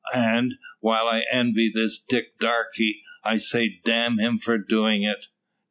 An', while I envy this Dick Darke, I say damn him for doin' it!"